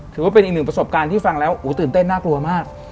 ถือว่าเป็นอีกหนึ่งประสบการณ์ที่ฟังแล้วตื่นเต้นน่ากลัวมาก